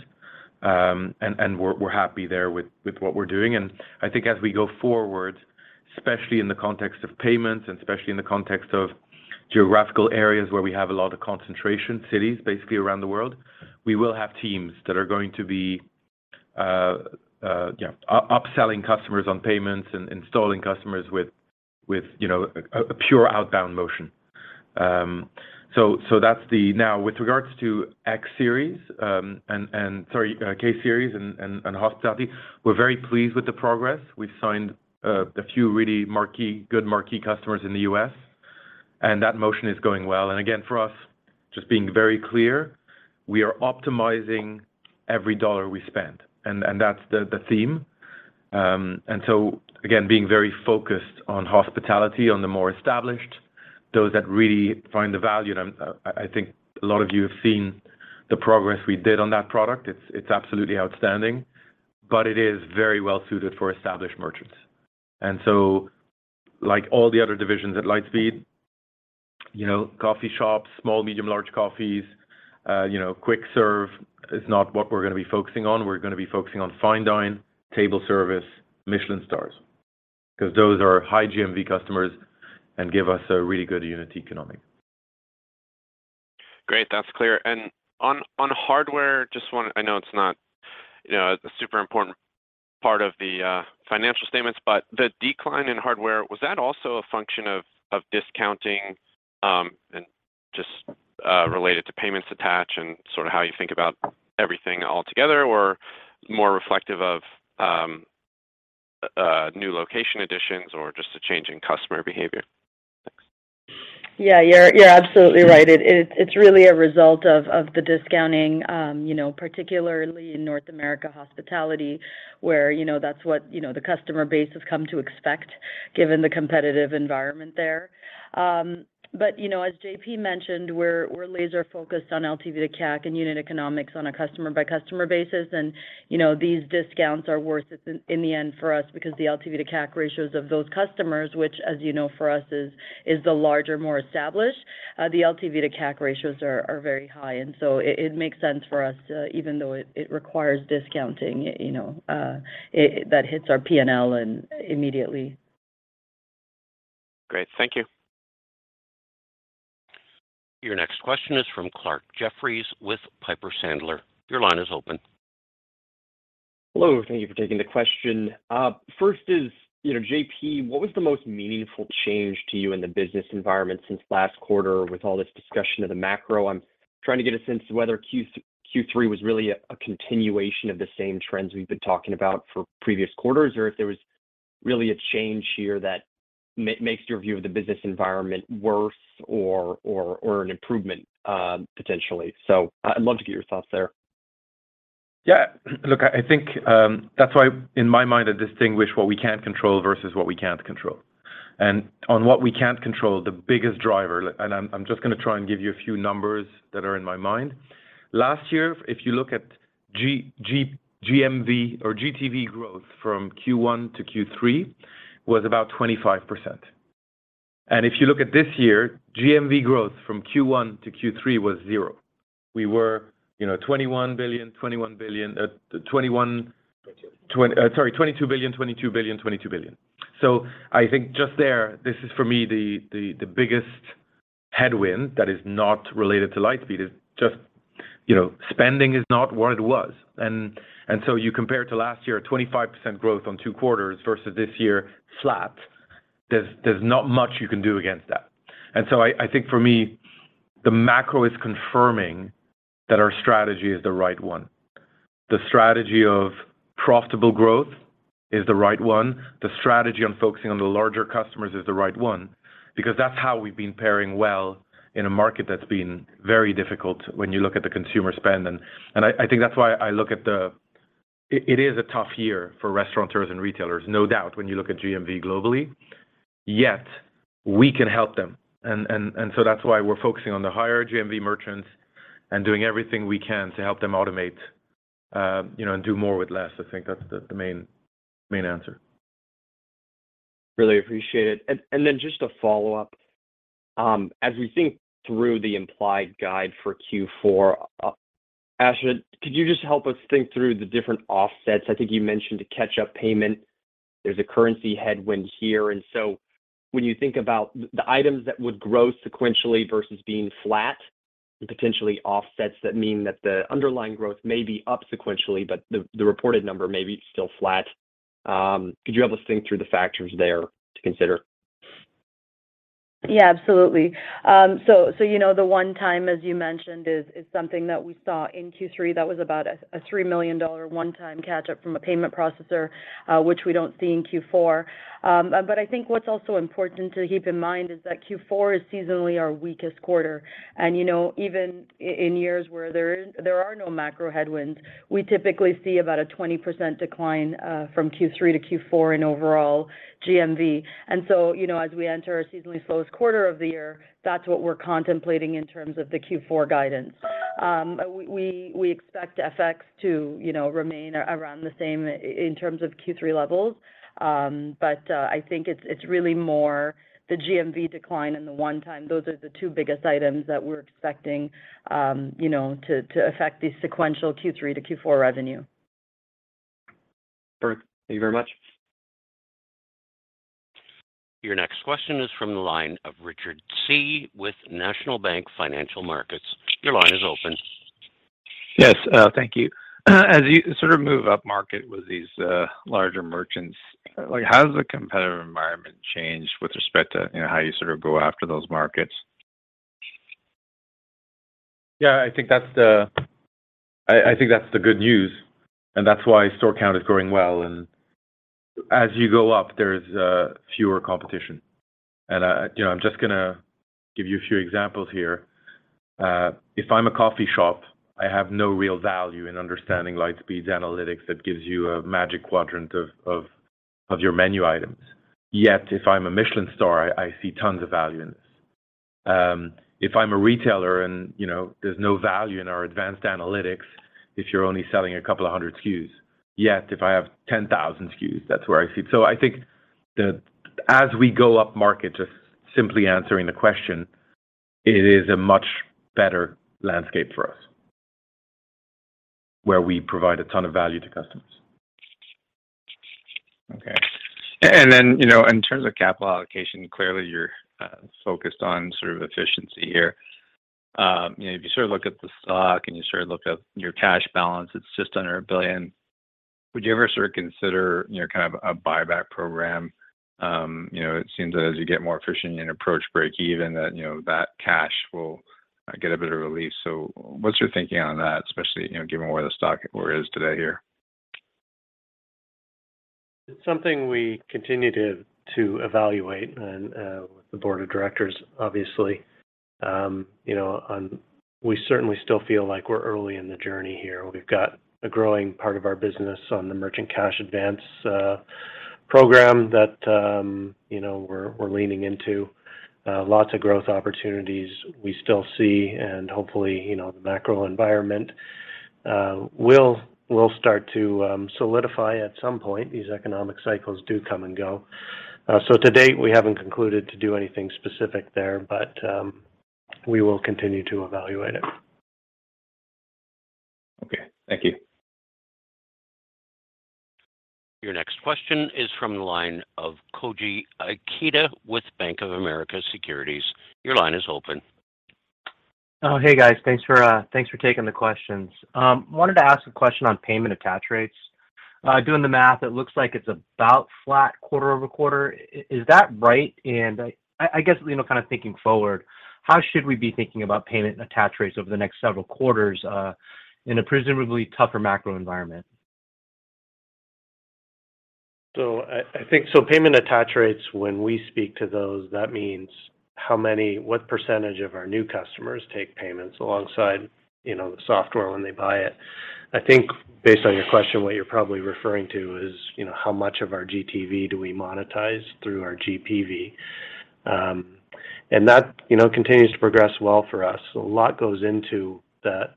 we're happy there with what we're doing. I think as we go forward, especially in the context of payments and especially in the context of geographical areas where we have a lot of concentration cities, basically around the world, we will have teams that are going to be, you know, upselling customers on payments and installing customers with, you know, a pure outbound motion. So that's the... With regards to X-Series, and sorry, K-Series and hospitality, we're very pleased with the progress. We've signed a few really good marquee customers in the U.S., that motion is going well. Again, for us, just being very clear, we are optimizing every dollar we spend, and that's the theme. Again, being very focused on hospitality, on the more established, those that really find the value. I think a lot of you have seen the progress we did on that product. It's absolutely outstanding, it is very well suited for established merchants. Like all the other divisions at Lightspeed, you know, coffee shops, small, medium, large coffees, you know, quick serve is not what we're gonna be focusing on. We're gonna be focusing on fine dine, table service, Michelin stars, because those are high GMV customers and give us a really good unit economic. Great. That's clear. On hardware, I know it's not, you know, a super important part of the financial statements, but the decline in hardware, was that also a function of discounting, and just related to payments attach and sort of how you think about everything all together, or more reflective of new location additions or just a change in customer behavior? Thanks. Yeah. You're absolutely right. It's really a result of the discounting, you know, particularly in North America hospitality, where, you know, that's what, you know, the customer base has come to expect given the competitive environment there. You know, as JP mentioned, we're laser focused on LTV to CAC and unit economics on a customer by customer basis. You know, these discounts are worth it in the end for us because the LTV to CAC ratios of those customers, which as you know for us is the larger, more established, the LTV to CAC ratios are very high. It makes sense for us to, even though it requires discounting, you know, that hits our PNL and immediately. Great. Thank you. Your next question is from Clarke Jeffries with Piper Sandler. Your line is open. Hello. Thank you for taking the question. First is, you know, JP, what was the most meaningful change to you in the business environment since last quarter with all this discussion of the macro? I'm trying to get a sense of whether Q3 was really a continuation of the same trends we've been talking about for previous quarters, or if there was really a change here that makes your view of the business environment worse or an improvement, potentially. I'd love to get your thoughts there. Yeah. Look, I think, that's why in my mind I distinguish what we can control versus what we can't control. On what we can't control, the biggest driver, I'm just gonna try and give you a few numbers that are in my mind. Last year, if you look at GMV or GTV growth from Q1 to Q3 was about 25%. If you look at this year, GMV growth from Q1 to Q3 was 0. We were, you know, $21 billion, $21 billion. Twenty-two. Sorry, $22 billion. I think just there, this is for me, the biggest headwind that is not related to Lightspeed is just, you know, spending is not what it was. You compare to last year, a 25% growth on two quarters versus this year, flat. There's not much you can do against that. I think for me, the macro is confirming that our strategy is the right one. The strategy of profitable growth is the right one. The strategy on focusing on the larger customers is the right one because that's how we've been pairing well in a market that's been very difficult when you look at the consumer spend. I think that's why I look at it is a tough year for restaurateurs and retailers, no doubt, when you look at GMV globally, yet we can help them. That's why we're focusing on the higher GMV merchants and doing everything we can to help them automate, you know, and do more with less. I think that's the main answer. Really appreciate it. Then just a follow-up. As we think through the implied guide for Q4, Asha, could you just help us think through the different offsets? I think you mentioned a catch-up payment. There's a currency headwind here. When you think about the items that would grow sequentially versus being flat, potentially offsets that mean that the underlying growth may be up sequentially, but the reported number may be still flat. Could you help us think through the factors there to consider? Absolutely. You know the one time, as you mentioned, is something that we saw in Q3 that was about a $3 million one-time catch-up from a payment processor, which we don't see in Q4. I think what's also important to keep in mind is that Q4 is seasonally our weakest quarter. You know, even in years where there are no macro headwinds, we typically see about a 20% decline from Q3 to Q4 in overall GMV. You know, as we enter our seasonally slowest quarter of the year, that's what we're contemplating in terms of the Q4 guidance. We expect FX to, you know, remain around the same in terms of Q3 levels. I think it's really more the GMV decline and the one time. Those are the two biggest items that we're expecting, you know, to affect the sequential Q3 to Q4 revenue. Perfect. Thank you very much. Your next question is from the line of Richard Tse with National Bank Financial Markets. Your line is open. Yes, thank you. As you sort of move upmarket with these, larger merchants, like, how has the competitive environment changed with respect to, you know, how you sort of go after those markets? Yeah, I think that's the good news, and that's why store count is growing well. As you go up, there's fewer competition. You know, I'm just gonna give you a few examples here. If I'm a coffee shop, I have no real value in understanding Lightspeed's analytics that gives you a magic quadrant of your menu items. Yet, if I'm a Michelin star, I see tons of value in this. If I'm a retailer and, you know, there's no value in our advanced analytics if you're only selling a couple of hundred SKUs. Yet, if I have 10,000 SKUs, that's where I see it. I think as we go upmarket, just simply answering the question, it is a much better landscape for us, where we provide a ton of value to customers. Okay. Then, you know, in terms of capital allocation, clearly you're focused on sort of efficiency here. You know, if you sort of look at the stock and you sort of look at your cash balance, it's just under $1 billion. Would you ever sort of consider, you know, kind of a buyback program? You know, it seems that as you get more efficient and approach break even, that, you know, that cash will get a bit of relief. What's your thinking on that, especially, you know, given where the stock is today here? It's something we continue to evaluate and with the board of directors, obviously. You know, we certainly still feel like we're early in the journey here. We've got a growing part of our business on the merchant cash advance program that, you know, we're leaning into, lots of growth opportunities we still see, and hopefully, you know, the macro environment will start to solidify at some point. These economic cycles do come and go. To date, we haven't concluded to do anything specific there, but we will continue to evaluate it. Okay, thank you. Your next question is from the line of Koji Ikeda with Bank of America Securities. Your line is open. Oh, hey, guys. Thanks for, thanks for taking the questions. Wanted to ask a question on payment attach rates. Doing the math, it looks like it's about flat quarter-over-quarter. Is that right? I guess, you know, kind of thinking forward, how should we be thinking about payment attach rates over the next several quarters, in a presumably tougher macro environment? I think payment attach rates, when we speak to those, that means what % of our new customers take payments alongside, you know, the software when they buy it. I think based on your question, what you're probably referring to is, you know, how much of our GTV do we monetize through our GPV. And that, you know, continues to progress well for us. A lot goes into the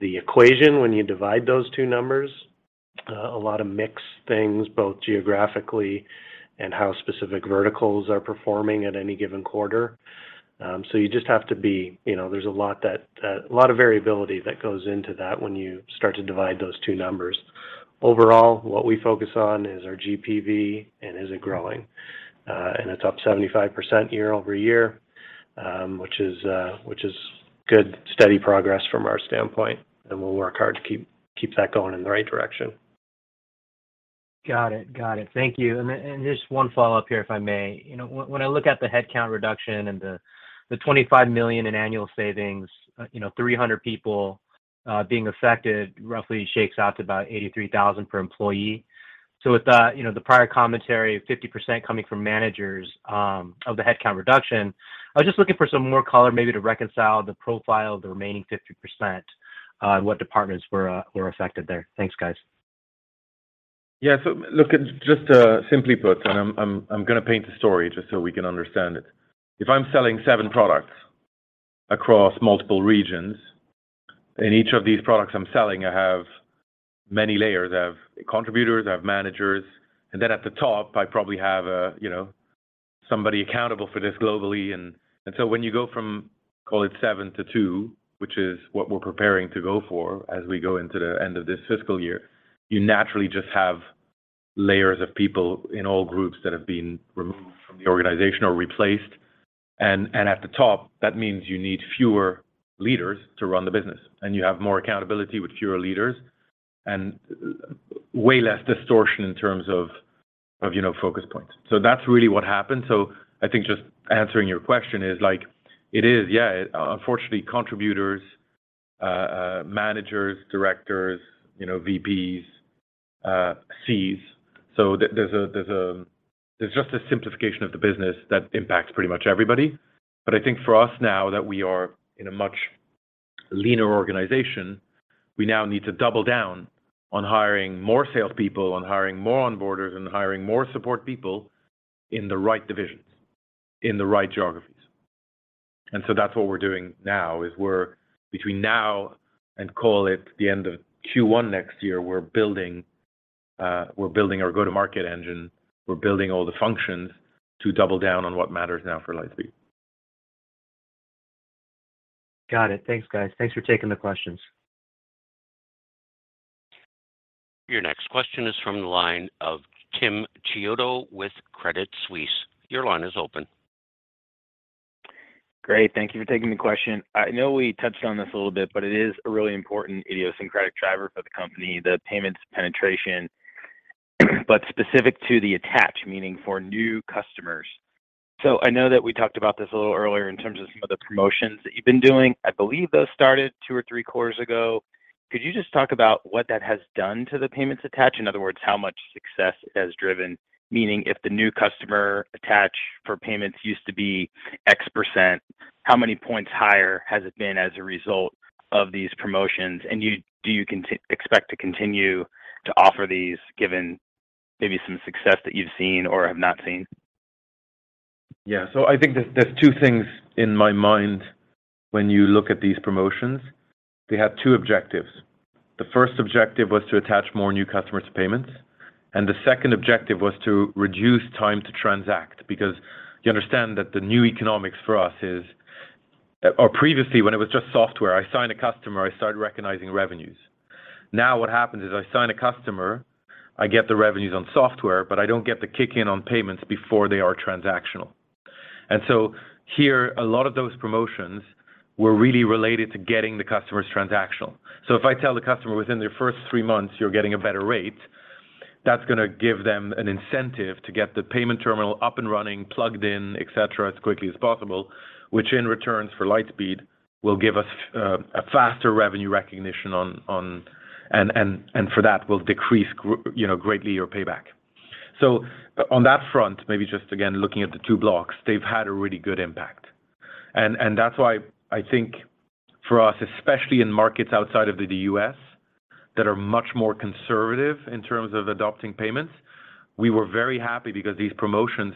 equation when you divide those two numbers, a lot of mixed things, both geographically and how specific verticals are performing at any given quarter. You just have to be. There's a lot that, a lot of variability that goes into that when you start to divide those two numbers. Overall, what we focus on is our GPV and is it growing. It's up 75% year-over-year, which is good, steady progress from our standpoint. We'll work hard to keep that going in the right direction. Got it. Thank you. Just one follow-up here, if I may. You know, when I look at the headcount reduction and the $25 million in annual savings, you know, 300 people being affected roughly shakes out to about $83,000 per employee. With, you know, the prior commentary of 50% coming from managers of the headcount reduction, I was just looking for some more color maybe to reconcile the profile of the remaining 50% and what departments were affected there. Thanks, guys. Look, just simply put, and I'm gonna paint the story just so we can understand it. If I'm selling 7 products across multiple regions, in each of these products I'm selling I have many layers. I have contributors, I have managers, then at the top I probably have, you know, somebody accountable for this globally. When you go from, call it 7 to 2, which is what we're preparing to go for as we go into the end of this fiscal year, you naturally just have layers of people in all groups that have been removed from the organization or replaced. At the top, that means you need fewer leaders to run the business, and you have more accountability with fewer leaders and way less distortion in terms of, you know, focus points. That's really what happened. I think just answering your question is like, it is, yeah, unfortunately, contributors, managers, directors, you know, VPs, Cs. There's just a simplification of the business that impacts pretty much everybody. I think for us now that we are in a much leaner organization, we now need to double down on hiring more salespeople, on hiring more onboarders and hiring more support people in the right divisions, in the right geographies. That's what we're doing now is we're between now and call it the end of Q1 next year, we're building, we're building our go-to-market engine. We're building all the functions to double down on what matters now for Lightspeed. Got it. Thanks, guys. Thanks for taking the questions. Your next question is from the line of Timothy Chiodo with Credit Suisse. Your line is open. Great. Thank you for taking the question. I know we touched on this a little bit, but it is a really important idiosyncratic driver for the company, the payments penetration, but specific to the attach, meaning for new customers. I know that we talked about this a little earlier in terms of some of the promotions that you've been doing. I believe those started two or three quarters ago. Could you just talk about what that has done to the payments attach? In other words, how much success it has driven, meaning if the new customer attach for payments used to be X%, how many points higher has it been as a result of these promotions? Do you expect to continue to offer these given maybe some success that you've seen or have not seen? Yeah. I think there's two things in my mind when you look at these promotions. They have two objectives. The first objective was to attach more new customers to payments, and the second objective was to reduce time to transact because you understand that the new economics for us is previously, when it was just software, I sign a customer, I started recognizing revenues. Now what happens is I sign a customer, I get the revenues on software, but I don't get the kick in on payments before they are transactional. Here, a lot of those promotions were really related to getting the customers transactional. If I tell the customer within their first 3 months you're getting a better rate, that's gonna give them an incentive to get the payment terminal up and running, plugged in, et cetera, as quickly as possible, which in returns for Lightspeed will give us a faster revenue recognition on. For that will decrease, you know, greatly your payback. On that front, maybe just again, looking at the 2 blocks, they've had a really good impact. That's why I think for us, especially in markets outside of the U.S. that are much more conservative in terms of adopting payments, we were very happy because these promotions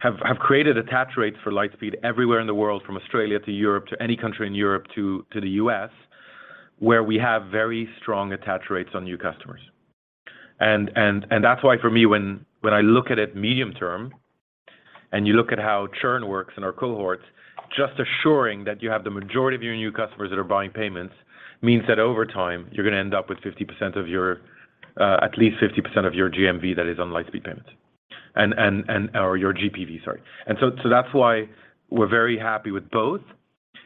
have created attach rates for Lightspeed everywhere in the world, from Australia to Europe, to any country in Europe to the U.S., where we have very strong attach rates on new customers. That's why for me, when I look at it medium term and you look at how churn works in our cohorts, just assuring that you have the majority of your new customers that are buying payments means that over time, you're gonna end up with 50% of your at least 50% of your GMV that is on Lightspeed Payments. Or your GPV, sorry. So that's why we're very happy with both.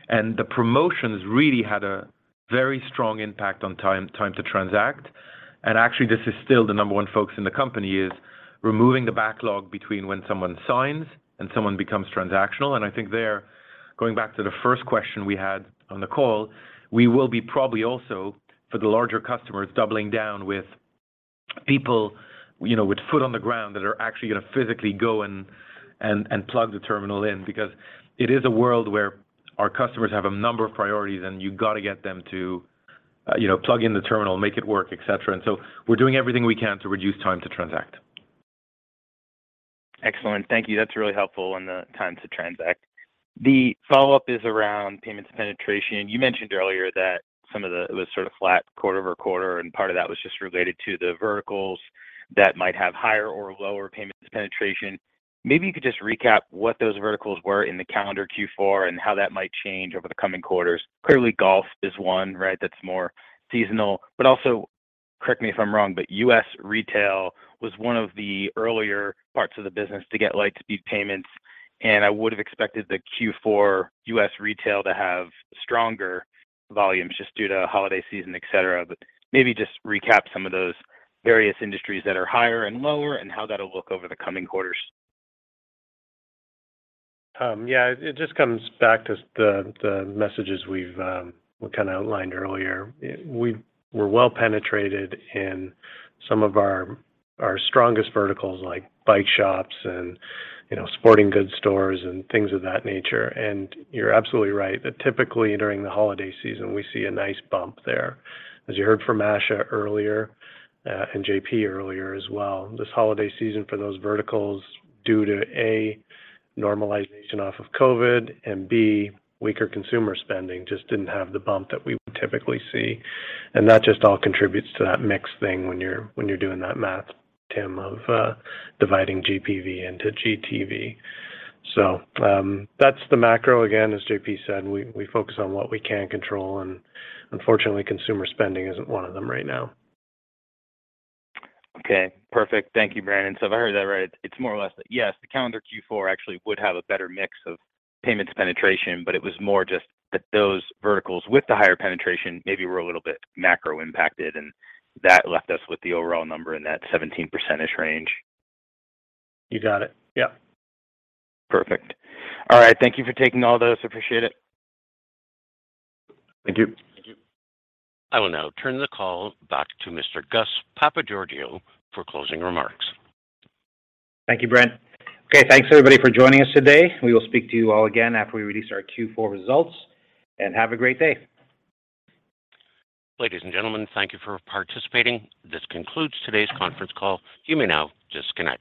The promotions really had a very strong impact on time to transact. Actually, this is still the number one focus in the company is removing the backlog between when someone signs and someone becomes transactional. I think there, going back to the first question we had on the call, we will be probably also for the larger customers doubling down with people, you know, with foot on the ground that are actually gonna physically go and plug the terminal in because it is a world where our customers have a number of priorities, and you've got to get them to, you know, plug in the terminal, make it work, et cetera. We're doing everything we can to reduce time to transact. Excellent. Thank you. That's really helpful on the time to transact. The follow-up is around payments penetration. You mentioned earlier that it was sort of flat quarter-over-quarter, and part of that was just related to the verticals that might have higher or lower payments penetration. Maybe you could just recap what those verticals were in the calendar Q4 and how that might change over the coming quarters. Clearly, golf is one, right? That's more seasonal. Also, correct me if I'm wrong, but U.S. retail was one of the earlier parts of the business to get Lightspeed Payments, and I would have expected the Q4 U.S. retail to have stronger volumes just due to holiday season, et cetera. Maybe just recap some of those various industries that are higher and lower and how that'll look over the coming quarters. It just comes back to the messages we've kinda outlined earlier. We're well penetrated in some of our strongest verticals like bike shops and, you know, sporting goods stores and things of that nature. You're absolutely right that typically during the holiday season, we see a nice bump there. As you heard from Asha earlier, and JP earlier as well, this holiday season for those verticals, due to, A, normalization off of COVID, and B, weaker consumer spending just didn't have the bump that we would typically see. That just all contributes to that mix thing when you're doing that math, Tim, of dividing GPV into GTV. That's the macro. Again, as JP said, we focus on what we can control, and unfortunately, consumer spending isn't one of them right now. Okay. Perfect. Thank you, Brandon. If I heard that right, it's more or less that, yes, the calendar Q4 actually would have a better mix of payments penetration, but it was more just that those verticals with the higher penetration maybe were a little bit macro impacted, and that left us with the overall number in that 17% range. You got it. Yeah. Perfect. All right. Thank you for taking all those. Appreciate it. Thank you. Thank you. I will now turn the call back to Mr. Gus Papageorgiou for closing remarks. Thank you, Brent. Okay. Thanks, everybody, for joining us today. We will speak to you all again after we release our Q4 results. Have a great day. Ladies and gentlemen, thank you for participating. This concludes today's conference call. You may now disconnect.